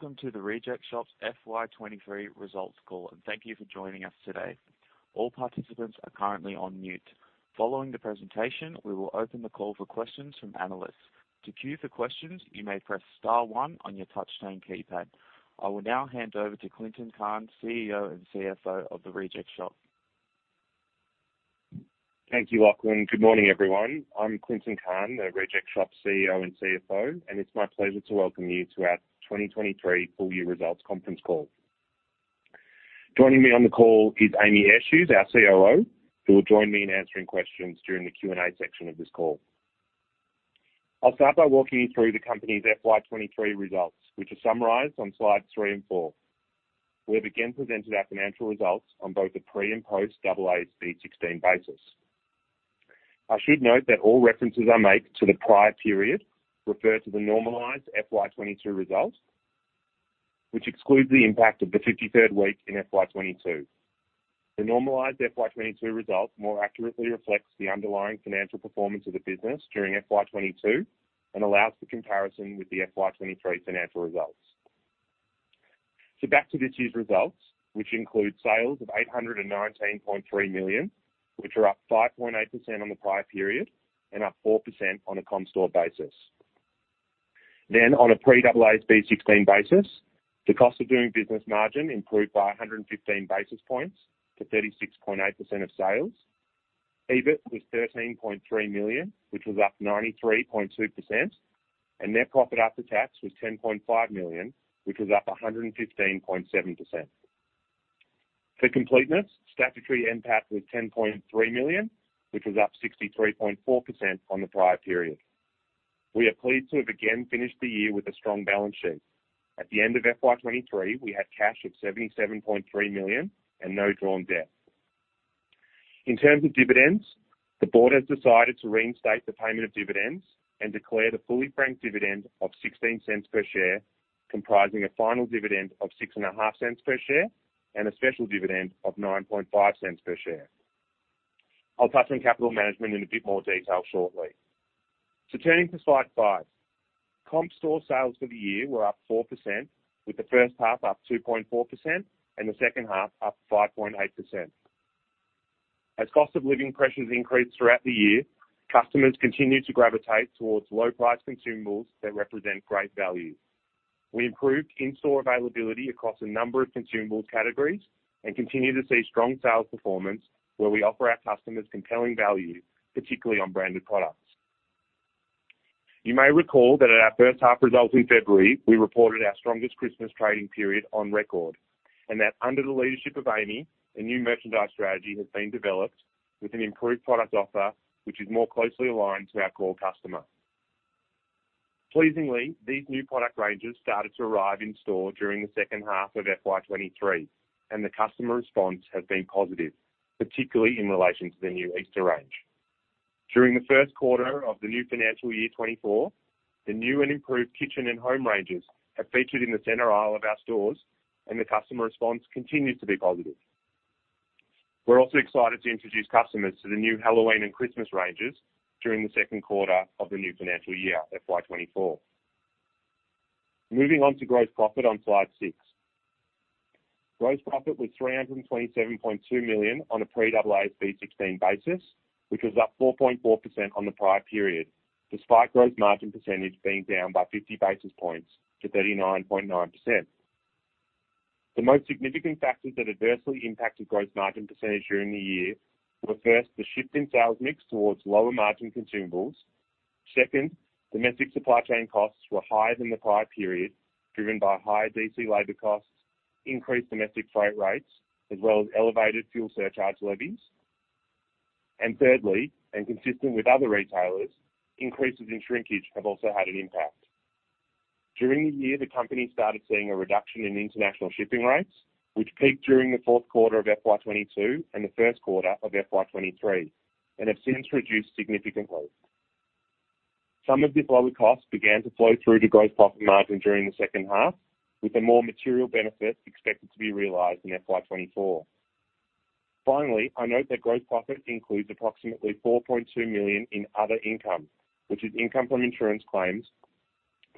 Welcome to The Reject Shop's FY 2023 Results Call, thank you for joining us today. All participants are currently on mute. Following the presentation, we will open the call for questions from analysts. To queue for questions, you may press star one on your touchtone keypad. I will now hand over to Clinton Cahn, CEO and CFO of The Reject Shop. Thank you, Lachlan. Good morning, everyone. I'm Clinton Cahn, The Reject Shop CEO and CFO, and it's my pleasure to welcome you to our 2023 full year results conference call. Joining me on the call is Amy Eshuys, our COO, who will join me in answering questions during the Q&A section of this call. I'll start by walking you through the company's FY 2023 results, which are summarized on slides three and four. We have again presented our financial results on both the pre- and post- AASB 16 basis. I should note that all references I make to the prior period refer to the normalized FY 2022 results, which excludes the impact of the 53rd week in FY 2022. The normalized FY 2022 results more accurately reflects the underlying financial performance of the business during FY 2022 and allows for comparison with the FY 2023 financial results. Back to this year's results, which include sales of 819.3 million, which are up 5.8% on the prior period and up 4% on a comp store basis. On a pre-AASB 16 basis, the cost of doing business margin improved by 115 basis points to 36.8% of sales. EBIT was 13.3 million, which was up 93.2%, and net profit after tax was 10.5 million, which was up 115.7%. For completeness, statutory NPAT was 10.3 million, which was up 63.4% on the prior period. We are pleased to have again finished the year with a strong balance sheet. At the end of FY 2023, we had cash of 77.3 million and no drawn debt. In terms of dividends, the board has decided to reinstate the payment of dividends and declare the fully franked dividend of 0.16 per share, comprising a final dividend of 0.065 per share and a special dividend of 0.095 per share. I'll touch on capital management in a bit more detail shortly. Turning to slide five. Comp store sales for the year were up 4%, with the first half up 2.4% and the second half up 5.8%. As cost of living pressures increased throughout the year, customers continued to gravitate towards low-priced consumables that represent great value. We improved in-store availability across a number of consumables categories and continue to see strong sales performance where we offer our customers compelling value, particularly on branded products. You may recall that at our first half results in February, we reported our strongest Christmas trading period on record, and that under the leadership of Amy, a new merchandise strategy has been developed with an improved product offer, which is more closely aligned to our core customer. Pleasingly, these new product ranges started to arrive in store during the second half of FY 2023, and the customer response has been positive, particularly in relation to the new Easter range. During the first quarter of the new financial year 2024, the new and improved kitchen and home ranges have featured in the center aisle of our stores, and the customer response continues to be positive. We're also excited to introduce customers to the new Halloween and Christmas ranges during the second quarter of the new financial year, FY 2024. Moving on to gross profit on slide six. Gross profit was AUD 327.2 million on a pre-AASB 16 basis, which was up 4.4% on the prior period, despite gross margin percentage being down by 50 basis points to 39.9%. The most significant factors that adversely impacted gross margin percentage during the year were, first, the shift in sales mix towards lower-margin consumables. Second, domestic supply chain costs were higher than the prior period, driven by higher DC labor costs, increased domestic freight rates, as well as elevated fuel surcharge levies. Thirdly, and consistent with other retailers, increases in shrinkage have also had an impact. During the year, the company started seeing a reduction in international shipping rates, which peaked during the fourth quarter of FY 2022 and the first quarter of FY 2023 and have since reduced significantly. Some of this lower cost began to flow through to gross profit margin during the second half, with a more material benefit expected to be realized in FY 2024. Finally, I note that gross profit includes approximately 4.2 million in other income, which is income from insurance claims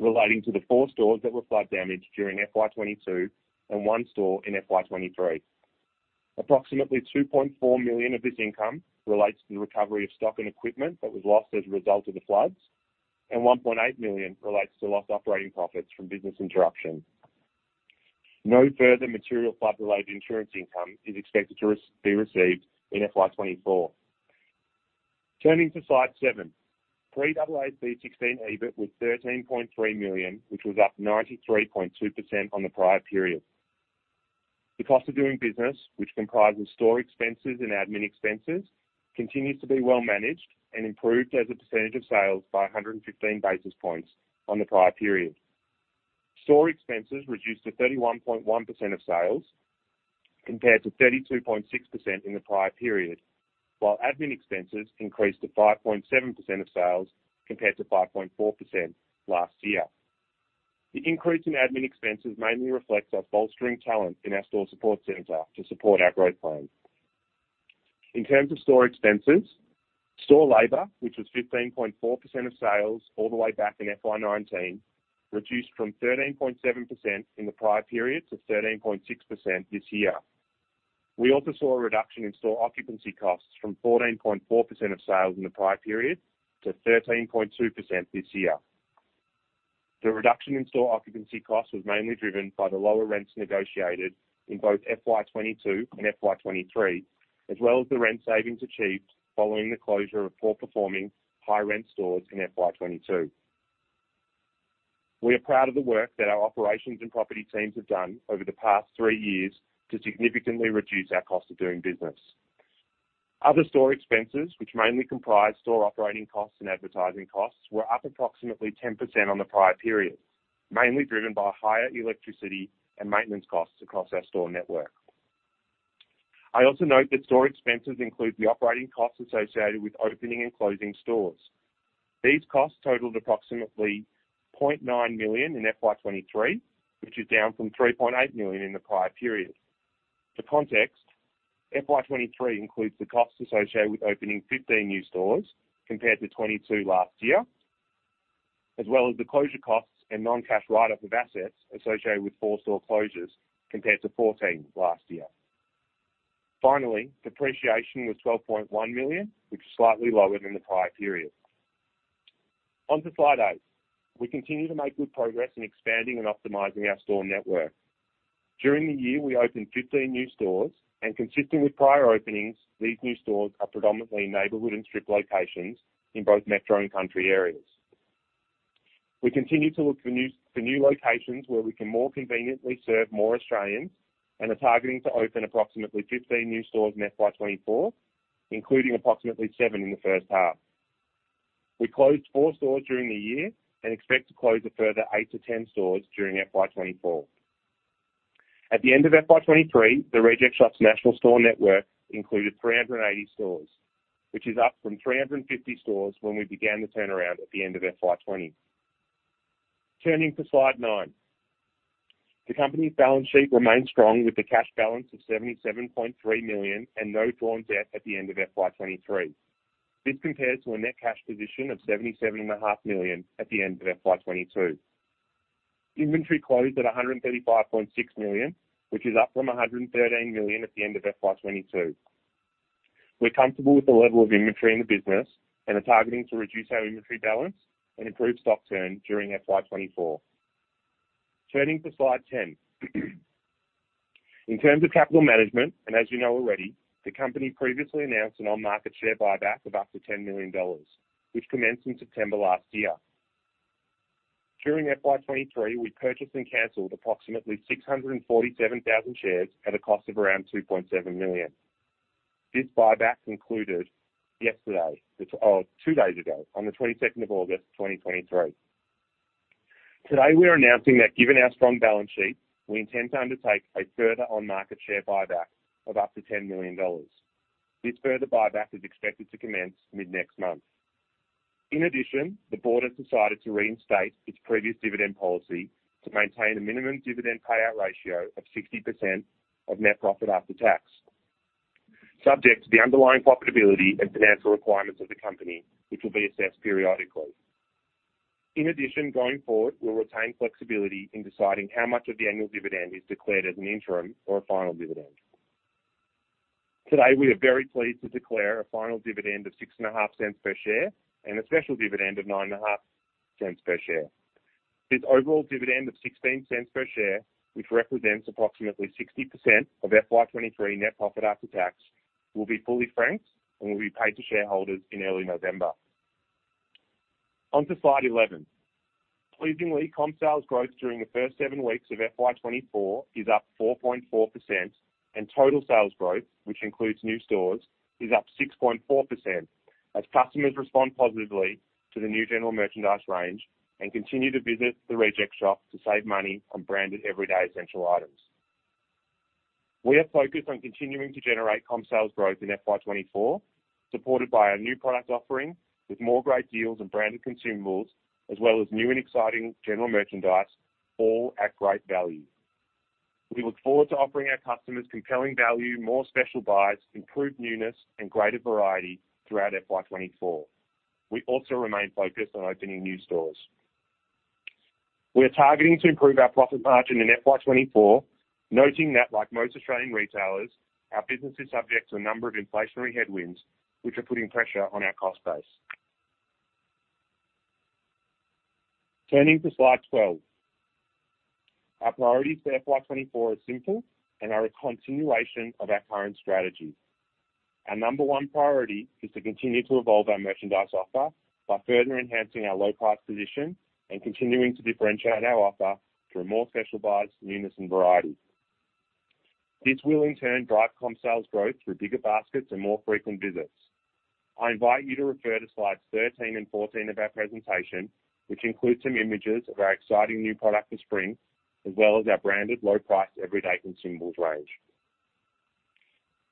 relating to the four stores that were flood damaged during FY 2022 and one store in FY 2023. Approximately 2.4 million of this income relates to the recovery of stock and equipment that was lost as a result of the floods, and 1.8 million relates to lost operating profits from business interruption. No further material flood-related insurance income is expected to be received in FY 2024. Turning to slide seven. Pre-AASB 16 EBIT was 13.3 million, which was up 93.2% on the prior period. The cost of doing business, which comprises store expenses and admin expenses, continues to be well managed and improved as a percentage of sales by 115 basis points on the prior period. Store expenses reduced to 31.1% of sales compared to 32.6% in the prior period, while admin expenses increased to 5.7% of sales, compared to 5.4% last year. The increase in admin expenses mainly reflects our bolstering talent in our store support center to support our growth plans. In terms of store expenses, store labor, which was 15.4% of sales all the way back in FY 2019, reduced from 13.7% in the prior period to 13.6% this year. We also saw a reduction in store occupancy costs from 14.4% of sales in the prior period to 13.2% this year. The reduction in store occupancy costs was mainly driven by the lower rents negotiated in both FY 2022 and FY 2023, as well as the rent savings achieved following the closure of poor-performing high rent stores in FY 2022. We are proud of the work that our operations and property teams have done over the past three years to significantly reduce our cost of doing business. Other store expenses, which mainly comprise store operating costs and advertising costs, were up approximately 10% on the prior period, mainly driven by higher electricity and maintenance costs across our store network. I also note that store expenses include the operating costs associated with opening and closing stores. These costs totaled approximately 0.9 million in FY 2023, which is down from 3.8 million in the prior period. For context, FY 2023 includes the costs associated with opening 15 new stores, compared to 22 last year, as well as the closure costs and non-cash write-off of assets associated with four store closures, compared to 14 last year. Finally, depreciation was 12.1 million, which is slightly lower than the prior period. On to slide eight. We continue to make good progress in expanding and optimizing our store network. During the year, we opened 15 new stores and consistent with prior openings, these new stores are predominantly neighborhood and strip locations in both metro and country areas. We continue to look for new locations where we can more conveniently serve more Australians and are targeting to open approximately 15 new stores in FY 2024, including approximately seven in the first half. We closed four stores during the year and expect to close a further eight to ten stores during FY 2024. At the end of FY 2023, The Reject Shop's national store network included 380 stores, which is up from 350 stores when we began the turnaround at the end of FY 2020. Turning to slide nine. The company's balance sheet remains strong, with a cash balance of AUD 77.3 million and no drawn debt at the end of FY 2023. This compares to a net cash position of AUD 77.5 million at the end of FY 2022. Inventory closed at AUD 135.6 million, which is up from AUD 113 million at the end of FY 2022. We're comfortable with the level of inventory in the business and are targeting to reduce our inventory balance and improve stock turn during FY 2024. Turning to slide 10. In terms of capital management, as you know already, the company previously announced an on-market share buyback of up to 10 million dollars, which commenced in September last year. During FY 2023, we purchased and canceled approximately 647,000 shares at a cost of around 2.7 million. This buyback concluded yesterday, two days ago, on the 22nd of August, 2023. Today, we are announcing that given our strong balance sheet, we intend to undertake a further on-market share buyback of up to 10 million dollars. This further buyback is expected to commence mid-next month. The board has decided to reinstate its previous dividend policy to maintain a minimum dividend payout ratio of 60% of net profit after tax, subject to the underlying profitability and financial requirements of the company, which will be assessed periodically. Going forward, we'll retain flexibility in deciding how much of the annual dividend is declared as an interim or a final dividend. Today, we are very pleased to declare a final dividend of 0.065 per share and a special dividend of 0.095 per share. This overall dividend of 0.16 per share, which represents approximately 60% of FY 2023 net profit after tax, will be fully franked and will be paid to shareholders in early November. On to slide 11. Pleasingly, comp sales growth during the first seven weeks of FY 2024 is up 4.4%, and total sales growth, which includes new stores, is up 6.4%, as customers respond positively to the new general merchandise range and continue to visit The Reject Shop to save money on branded, everyday, essential items. We are focused on continuing to generate comp sales growth in FY 2024, supported by our new product offering with more great deals and branded consumables, as well as new and exciting general merchandise, all at great value. We look forward to offering our customers compelling value, more special buys, improved newness, and greater variety throughout FY 2024. We also remain focused on opening new stores. We are targeting to improve our profit margin in FY 2024, noting that, like most Australian retailers, our business is subject to a number of inflationary headwinds, which are putting pressure on our cost base. Turning to slide 12. Our priorities for FY 2024 are simple and are a continuation of our current strategy. Our number one priority is to continue to evolve our merchandise offer by further enhancing our low price position and continuing to differentiate our offer through more special buys, newness, and variety. This will in turn drive comp sales growth through bigger baskets and more frequent visits. I invite you to refer to slides 13 and 14 of our presentation, which include some images of our exciting new product for spring, as well as our branded low-price everyday consumables range.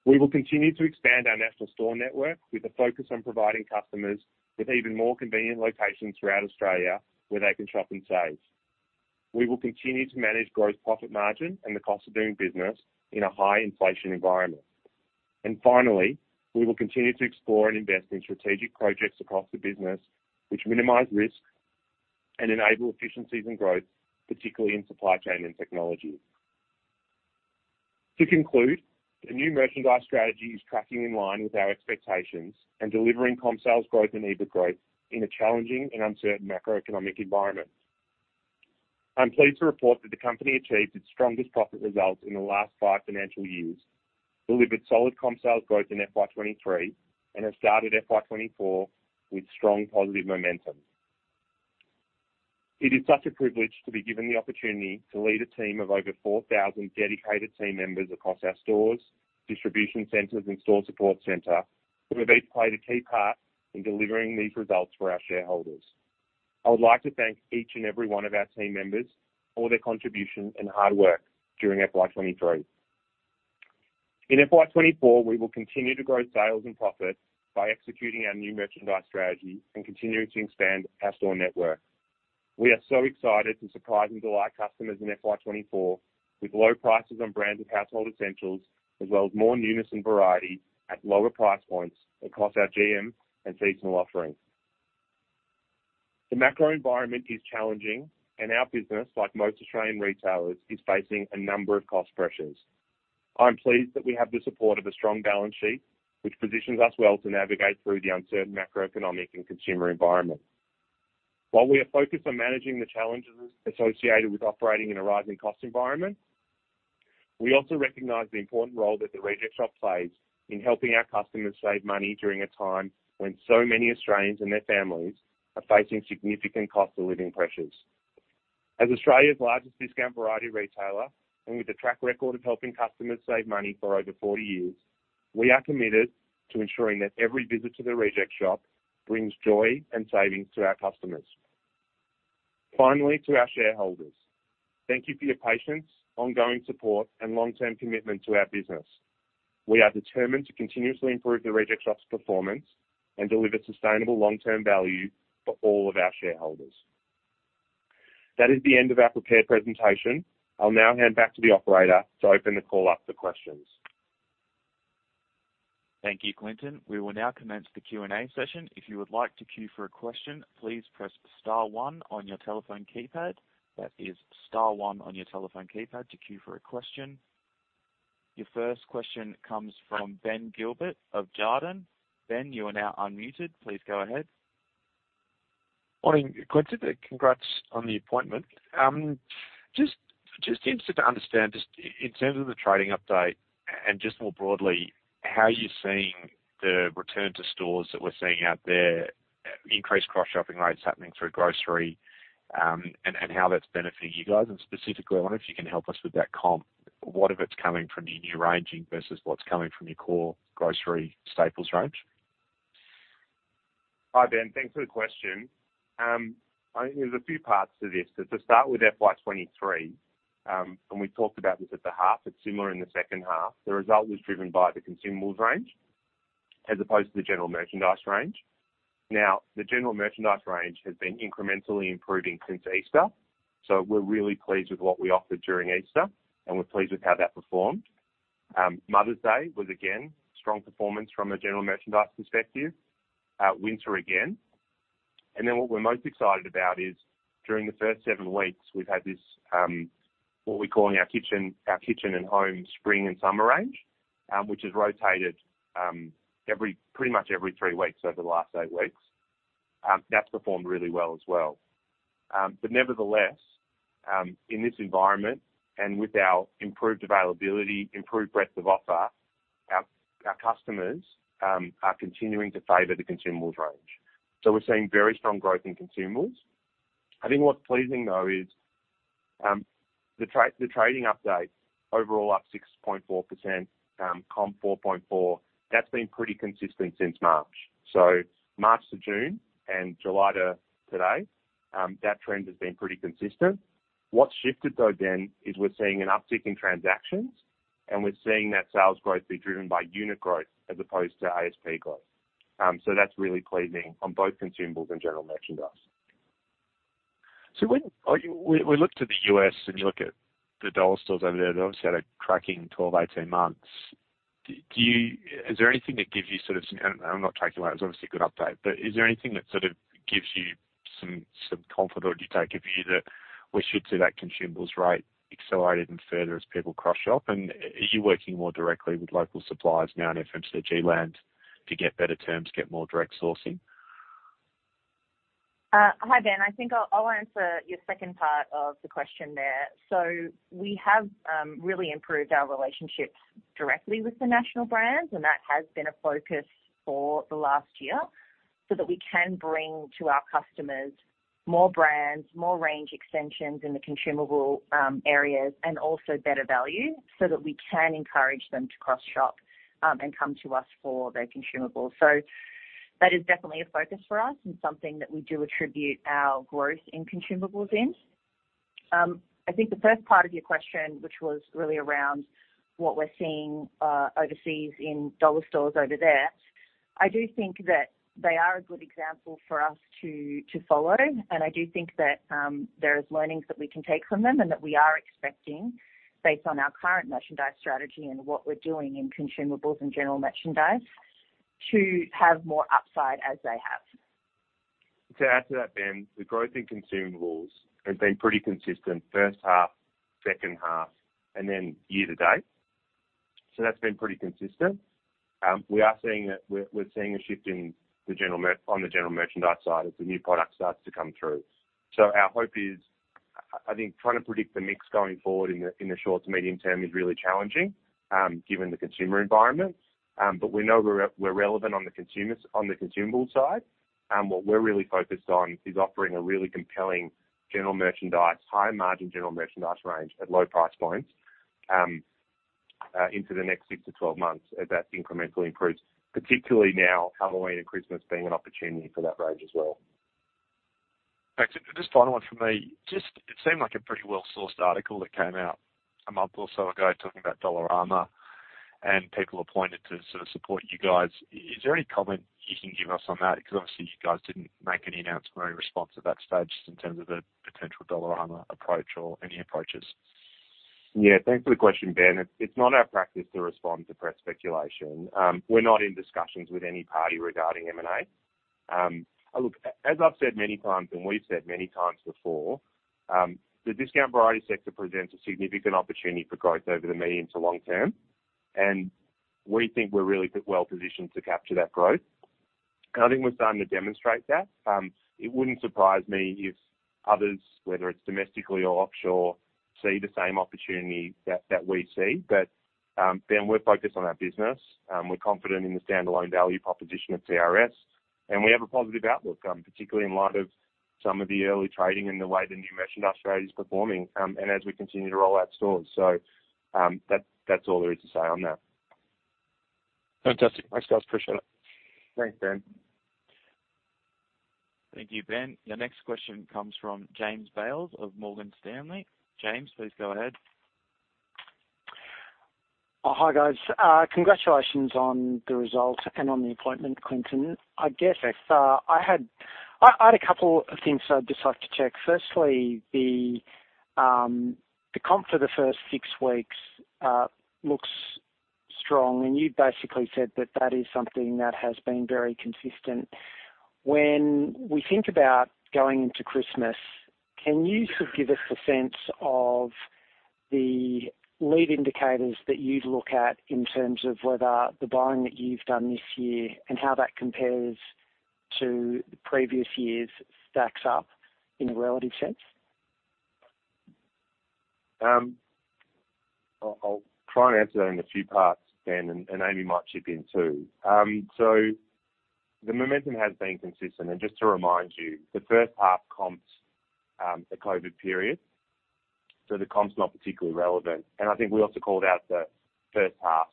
We will continue to expand our national store network with a focus on providing customers with even more convenient locations throughout Australia where they can shop and save. We will continue to manage growth, profit margin, and the cost of doing business in a high inflation environment. Finally, we will continue to explore and invest in strategic projects across the business, which minimize risk and enable efficiencies and growth, particularly in supply chain and technology. To conclude, the new merchandise strategy is tracking in line with our expectations and delivering comp sales growth and EBIT growth in a challenging and uncertain macroeconomic environment. I'm pleased to report that the company achieved its strongest profit results in the last five financial years, delivered solid comp sales growth in FY 2023, and has started FY 2024 with strong positive momentum. It is such a privilege to be given the opportunity to lead a team of over 4,000 dedicated team members across our stores, distribution centers, and store support center, who have each played a key part in delivering these results for our shareholders. I would like to thank each and every one of our team members for their contribution and hard work during FY 2023. In FY 2024, we will continue to grow sales and profit by executing our new merchandise strategy and continuing to expand our store network. We are so excited to surprise and delight customers in FY 2024 with low prices on brands and household essentials, as well as more newness and variety at lower price points across our GM and seasonal offerings. The macro environment is challenging, and our business, like most Australian retailers, is facing a number of cost pressures. I'm pleased that we have the support of a strong balance sheet, which positions us well to navigate through the uncertain macroeconomic and consumer environment. While we are focused on managing the challenges associated with operating in a rising cost environment, we also recognize the important role that The Reject Shop plays in helping our customers save money during a time when so many Australians and their families are facing significant cost of living pressures. As Australia's largest discount variety retailer, and with a track record of helping customers save money for over 40 years, we are committed to ensuring that every visit to The Reject Shop brings joy and savings to our customers. Finally, to our shareholders, thank you for your patience, ongoing support, and long-term commitment to our business. We are determined to continuously improve The Reject Shop's performance and deliver sustainable, long-term value for all of our shareholders. That is the end of our prepared presentation. I'll now hand back to the operator to open the call up for questions. Thank you, Clinton. We will now commence the Q&A session. If you would like to queue for a question, please press star one on your telephone keypad. That is star one on your telephone keypad to queue for a question. Your first question comes from Ben Gilbert of Jarden. Ben, you are now unmuted. Please go ahead. Morning, Clinton. Congrats on the appointment. Just, just interested to understand, just in terms of the trading update and just more broadly, how are you seeing the return to stores that we're seeing out there, increased cross-shopping rates happening through grocery, and how that's benefiting you guys? Specifically, I wonder if you can help us with that comp. What of it's coming from your new ranging versus what's coming from your core grocery staples range? Hi, Ben. Thanks for the question. I think there's a few parts to this. To start with FY 2023, we talked about this at the half, it's similar in the second half. The result was driven by the consumables range as opposed to the general merchandise range. Now, the general merchandise range has been incrementally improving since Easter, so we're really pleased with what we offered during Easter, and we're pleased with how that performed. Mother's Day was, again, strong performance from a general merchandise perspective. Winter again. Then what we're most excited about is during the first seven weeks, we've had this, what we're calling our kitchen and home spring and summer range, which has rotated, pretty much every three weeks over the last eight weeks. That's performed really well as well. Nevertheless, in this environment and with our improved availability, improved breadth of offer, our customers are continuing to favor the consumables range. We're seeing very strong growth in consumables. I think what's pleasing, though, is the trading update overall up 6.4%, comp 4.4%. That's been pretty consistent since March. March to June and July to today, that trend has been pretty consistent. What's shifted, though, Ben, is we're seeing an uptick in transactions, and we're seeing that sales growth be driven by unit growth as opposed to ASP growth. That's really pleasing on both consumables and general merchandise. We look to the U.S., and you look at the dollar stores over there, they've obviously had a cracking 12, 18 months. Is there anything that gives you sort of, I'm not taking away, it's obviously a good update, but is there anything that sort of gives you some, some comfort, or do you take a view that we should see that consumables rate accelerated and further as people cross shop? Are you working more directly with local suppliers now in FMCG land to get better terms, get more direct sourcing? Hi, Ben. I think I'll answer your second part of the question there. We have really improved our relationships directly with the national brands, and that has been a focus for the last year, so that we can bring to our customers more brands, more range extensions in the consumable areas, and also better value, so that we can encourage them to cross-shop and come to us for their consumables. That is definitely a focus for us and something that we do attribute our growth in consumables in. I think the first part of your question, which was really around what we're seeing overseas in dollar stores over there, I do think that they are a good example for us to follow. I do think that, there is learnings that we can take from them and that we are expecting, based on our current merchandise strategy and what we're doing in consumables and general merchandise, to have more upside as they have. To add to that, Ben, the growth in consumables has been pretty consistent, first half, second half, then year to date. That's been pretty consistent. We are seeing, we're seeing a shift in the general on the general merchandise side as the new product starts to come through. Our hope is, I think trying to predict the mix going forward in the, in the short to medium term is really challenging, given the consumer environment. We know we're relevant on the consumers, on the consumable side. What we're really focused on is offering a really compelling general merchandise, high-margin general merchandise range at low price points, into the next six to 12 months as that incrementally improves, particularly now, Halloween and Christmas being an opportunity for that range as well. Thanks. Just a final one for me. It seemed like a pretty well-sourced article that came out a month or so ago talking about Dollarama and people appointed to sort of support you guys. Is there any comment you can give us on that? Obviously, you guys didn't make any announcement or any response at that stage just in terms of the potential Dollarama approach or any approaches. Yeah, thanks for the question, Ben. It's, it's not our practice to respond to press speculation. We're not in discussions with any party regarding M&A. Look, as I've said many times, and we've said many times before, the discount variety sector presents a significant opportunity for growth over the medium to long term, and we think we're really well positioned to capture that growth. I think we're starting to demonstrate that. It wouldn't surprise me if others, whether it's domestically or offshore, see the same opportunity that we see. Ben, we're focused on our business. We're confident in the standalone value proposition of TRS, and we have a positive outlook, particularly in light of some of the early trading and the way the new merchandise strategy is performing, and as we continue to roll out stores. That, that's all there is to say on that. Fantastic. Thanks, guys. Appreciate it. Thanks, Ben. Thank you, Ben. The next question comes from James Bales of Morgan Stanley. James, please go ahead. Oh, hi, guys. Congratulations on the result and on the appointment, Clinton. I guess, if I had a couple of things I'd just like to check. Firstly, the comp for the first six weeks looks strong, and you basically said that that is something that has been very consistent. When we think about going into Christmas, can you sort of give us a sense of the lead indicators that you'd look at in terms of whether the buying that you've done this year and how that compares to the previous years stacks up in a relative sense? I'll try and answer that in a few parts, Ben, and, and Amy might chip in, too. The momentum has been consistent. Just to remind you, the first half comps, a COVID period, so the comp's not particularly relevant. I think we also called out the first half,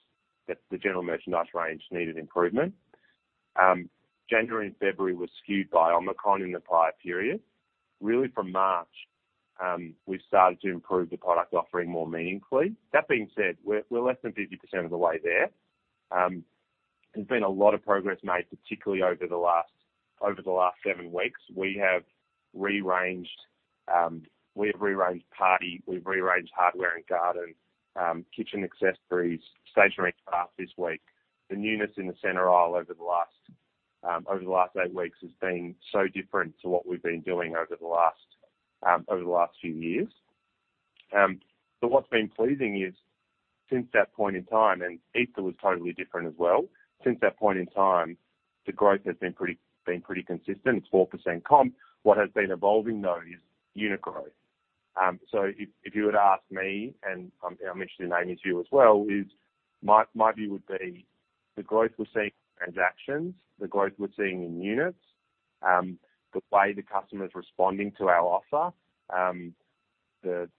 that the general merchandise range needed improvement. January and February were skewed by Omicron in the prior period. Really, from March, we started to improve the product offering more meaningfully. That being said, we're less than 50% of the way there. There's been a lot of progress made, particularly over the last seven weeks. We have rearranged, we've rearranged party, we've rearranged hardware and garden, kitchen accessories, stationery stuff this week. The newness in the center aisle over the last, over the last eight weeks has been so different to what we've been doing over the last few years. What's been pleasing is since that point in time, and Easter was totally different as well. Since that point in time, the growth has been pretty consistent. It's 4% comp. What has been evolving, though, is unit growth. If you were to ask me, and I'm interested in Amy Eshuys' view as well, is my, my view would be the growth we're seeing in transactions, the growth we're seeing in units, the way the customer is responding to our offer,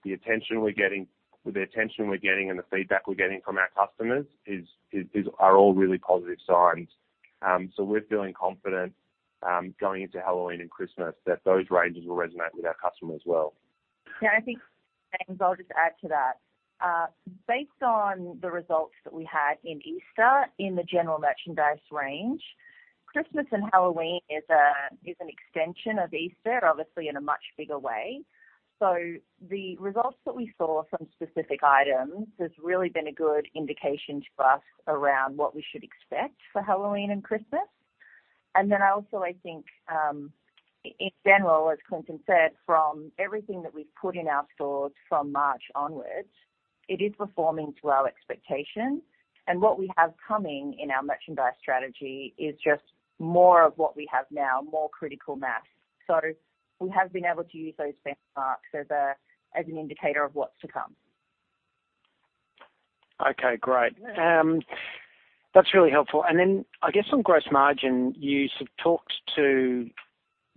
the attention we're getting, the attention we're getting and the feedback we're getting from our customers is, is, are all really positive signs. We're feeling confident going into Halloween and Christmas, that those ranges will resonate with our customers well. Yeah, I think, James, I'll just add to that. Based on the results that we had in Easter in the general merchandise range, Christmas and Halloween is an extension of Easter, obviously in a much bigger way. The results that we saw from specific items has really been a good indication to us around what we should expect for Halloween and Christmas. Then also, I think, in general, as Clinton said, from everything that we've put in our stores from March onwards, it is performing to our expectations. What we have coming in our merchandise strategy is just more of what we have now, more critical mass. We have been able to use those benchmarks as an indicator of what's to come. Okay, great. That's really helpful. Then I guess on gross margin, you sort of talked to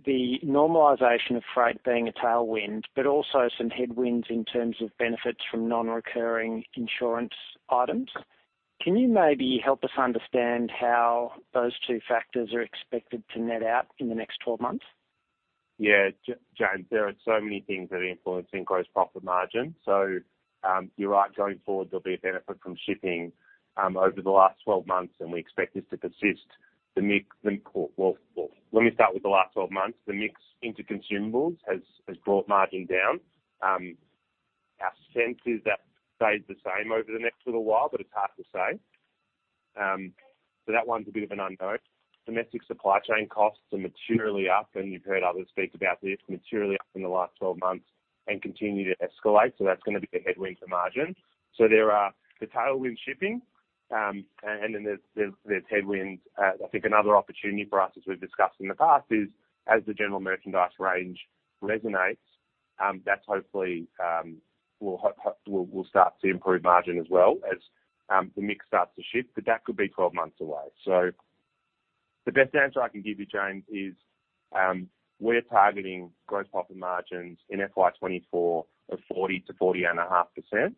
the normalization of freight being a tailwind, but also some headwinds in terms of benefits from non-recurring insurance items. Can you maybe help us understand how those two factors are expected to net out in the next 12 months? Yeah, James, there are so many things that are influencing gross profit margin. You're right. Going forward, there'll be a benefit from shipping over the last 12 months, and we expect this to persist. The mix, let me start with the last 12 months. The mix into consumables has brought margin down. Our sense is that stays the same over the next little while, but it's hard to say. That one's a bit of an unknown. Domestic supply chain costs are materially up, and you've heard others speak about this, materially up in the last 12 months and continue to escalate. That's going to be a headwind for margin. There are the tailwind shipping, and then there's headwind. I think another opportunity for us, as we've discussed in the past, is as the general merchandise range resonates, that hopefully will start to improve margin as well as the mix starts to shift, but that could be 12 months away. The best answer I can give you, James, is we're targeting gross profit margins in FY 2024 of 40%-40.5%.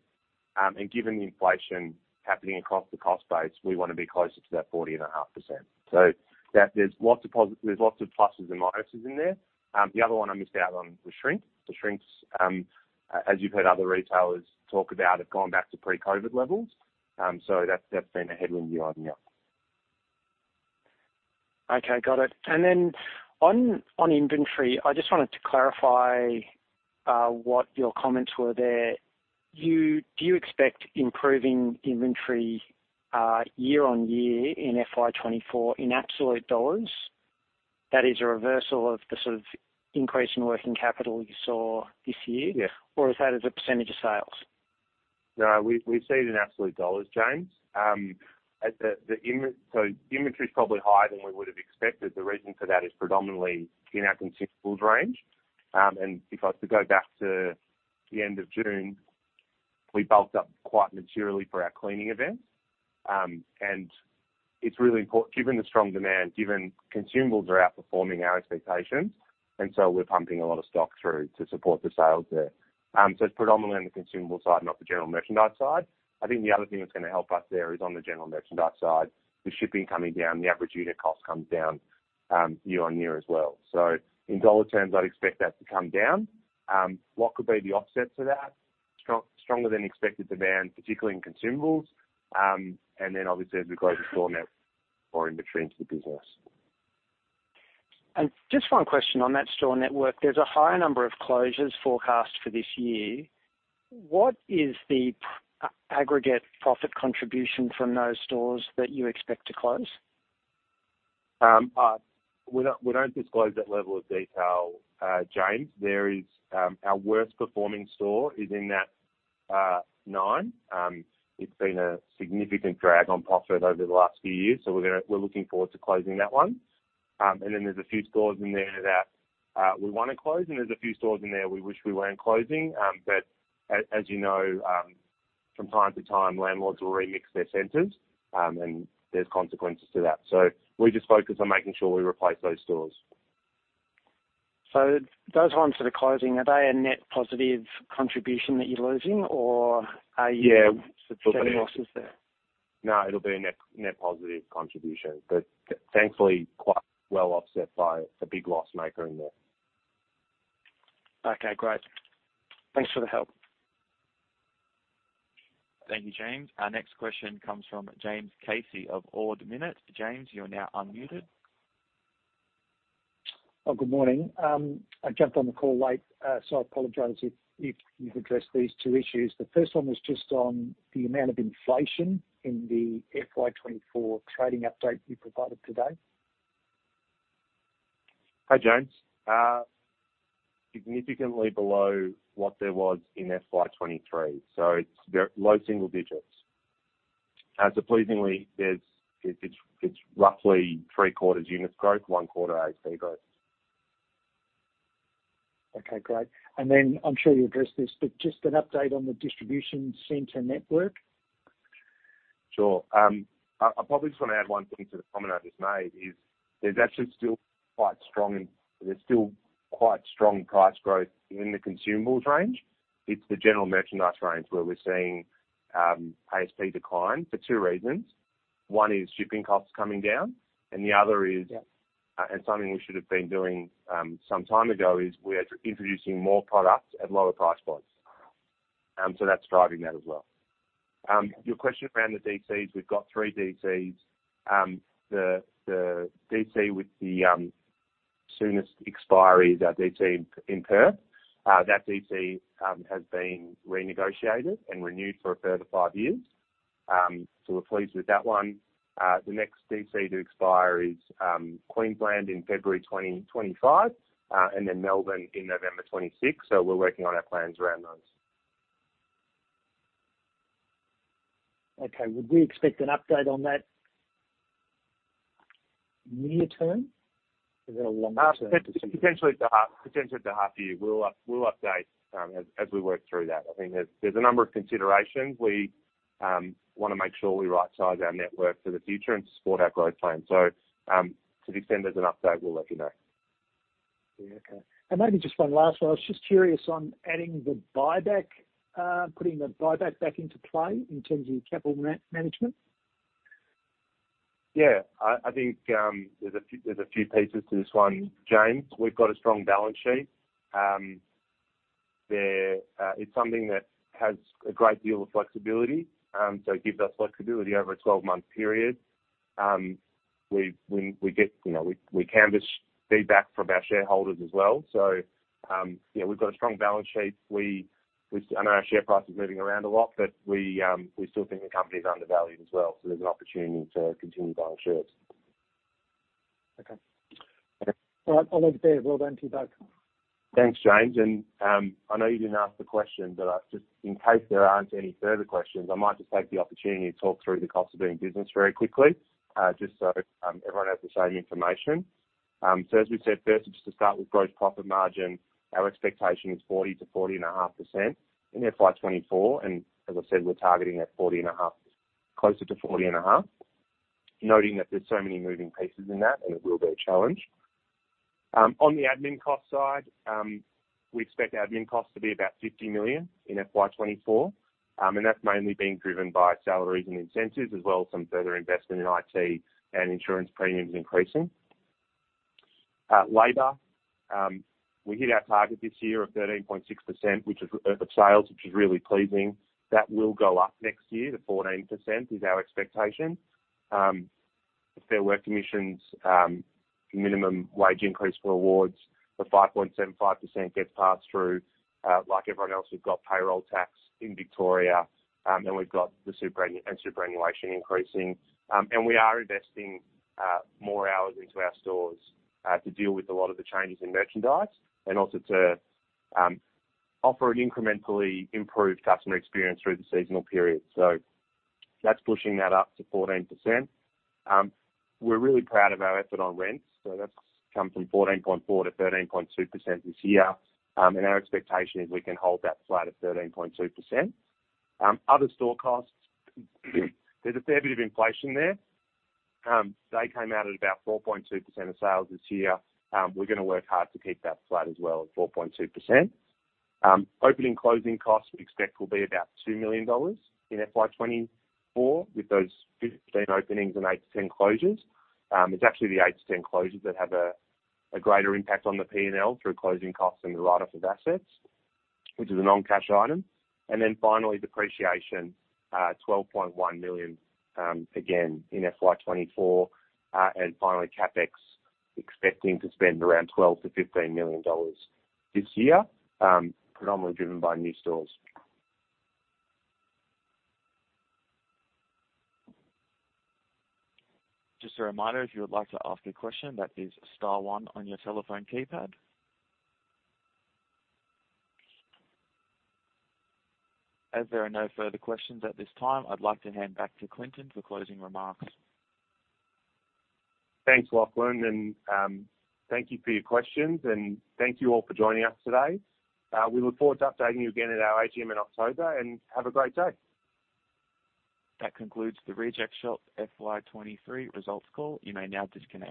Given the inflation happening across the cost base, we want to be closer to that 40.5%. That there's lots of pluses and minuses in there. The other one I missed out on, the shrink. The shrinks, as you've heard other retailers talk about, have gone back to pre-COVID levels. That's, that's been a headwind year-over-year. Okay, got it. On inventory, I just wanted to clarify, what your comments were there. Do you expect improving inventory, year-on-year in FY 2024 in absolute dollars? That is a reversal of the sort of increase in working capital you saw this year? Yeah. Or is that as a percentage of sales? No, we've, we've seen it in absolute dollars, James. So inventory is probably higher than we would have expected. The reason for that is predominantly in our consumables range. To go back to the end of June, we bulked up quite materially for our cleaning event. It's really important, given the strong demand, given consumables are outperforming our expectations, we're pumping a lot of stock through to support the sales there. It's predominantly on the consumable side, not the general merchandise side. I think the other thing that's going to help us there is on the general merchandise side, the shipping coming down, the average unit cost comes down year-on-year as well. In dollar terms, I'd expect that to come down. What could be the offset to that? Stronger than expected demand, particularly in consumables, and then obviously, as we grow the store network or inventory into the business. Just one question on that store network. There's a higher number of closures forecast for this year. What is the aggregate profit contribution from those stores that you expect to close? We don't, we don't disclose that level of detail, James. There is, our worst-performing store is in that nine. It's been a significant drag on profit over the last few years, so we're looking forward to closing that one. Then there's a few stores in there that we want to close, and there's a few stores in there we wish we weren't closing. As, as you know, from time to time, landlords will remix their centers, and there's consequences to that. We just focus on making sure we replace those stores. Those ones that are closing, are they a net positive contribution that you're losing or are you suffering losses there? No, it'll be a net positive contribution, but thankfully, quite well offset by the big loss maker in there. Okay, great. Thanks for the help. Thank you, James. Our next question comes from James Casey of Ord Minnett. James, you're now unmuted. Oh, good morning. I jumped on the call late, I apologize if you've addressed these two issues. The first one was just on the amount of inflation in the FY 2024 trading update you provided today. Hi, James. significantly below what there was in FY 2023, so it's very low single digits. Surprisingly, there's, it's, it's roughly 3/4 units growth, 1/4 AC growth. Okay, great. Then I'm sure you addressed this, but just an update on the distribution center network. Sure. I probably just want to add one thing to the comment I just made is there's actually still quite strong, there's still quite strong price growth in the consumables range. It's the general merchandise range where we're seeing ASP decline for two reasons. One is shipping costs coming down, and the other is it's something we should have been doing some time ago, is we are introducing more products at lower price points. That's driving that as well. Your question around the DCs, we've got three DCs. The DC with the soonest expiry is our DC in Perth. That DC has been renegotiated and renewed for a further five years. We're pleased with that one. The next DC to expire is Queensland in February 2025, and then Melbourne in November 2026. We're working on our plans around those. Okay. Would we expect an update on that near term or long term? Potentially to half, potentially to half year. We'll update as we work through that. I think there's a number of considerations. We wanna make sure we rightsize our network for the future and support our growth plan. To the extent there's an update, we'll let you know. Yeah, okay. Maybe just one last one. I was just curious on adding the buyback, putting the buyback back into play in terms of your capital management. Yeah, I think there's a few pieces to this one, James. We've got a strong balance sheet. There, it's something that has a great deal of flexibility, so it gives us flexibility over a 12-month period. We get, you know, we canvas feedback from our shareholders as well. Yeah, we've got a strong balance sheet. We, I know our share price is moving around a lot, but we still think the company is undervalued as well, so there's an opportunity to continue buying shares. Okay. All right, I'll leave it there. Well done to you both. Thanks, James. I know you didn't ask the question, but in case there aren't any further questions, I might just take the opportunity to talk through the cost of doing business very quickly, just so everyone has the same information. As we said, firstly, just to start with gross profit margin, our expectation is 40%-40.5% in FY 2024, and as I said, we're targeting at 40.5%, closer to 40.5%, noting that there's so many moving pieces in that and it will be a challenge. On the admin cost side, we expect admin costs to be about 50 million in FY 2024, and that's mainly being driven by salaries and incentives, as well as some further investment in IT and insurance premiums increasing. Labor, we hit our target this year of 13.6%, which is of sales, which is really pleasing. That will go up next year to 14% is our expectation. The Fair Work Commission's minimum wage increase for awards of 5.75% gets passed through. Like everyone else, we've got payroll tax in Victoria, and we've got the superannuation increasing. We are investing more hours into our stores to deal with a lot of the changes in merchandise and also to offer an incrementally improved customer experience through the seasonal period. That's pushing that up to 14%. We're really proud of our effort on rents, so that's come from 14.4% to 13.2% this year. Our expectation is we can hold that flat at 13.2%. Other store costs, there's a fair bit of inflation there. They came out at about 4.2% of sales this year. We're gonna work hard to keep that flat as well at 4.2%. Opening, closing costs, we expect, will be about 2 million dollars in FY 2024, with those 15 openings and eight to 10 closures. It's actually the eight to 10 closures that have a greater impact on the P&L through closing costs and the write-off of assets, which is a non-cash item. Then finally, depreciation, 12.1 million, again in FY 2024. Finally, CapEx, expecting to spend around 12 million-15 million dollars this year, predominantly driven by new stores. Just a reminder, if you would like to ask a question, that is star one on your telephone keypad. As there are no further questions at this time, I'd like to hand back to Clinton for closing remarks. Thanks, Lachlan, and thank you for your questions, and thank you all for joining us today. We look forward to updating you again at our AGM in October, and have a great day. That concludes The Reject Shop FY 2023 Results Call. You may now disconnect.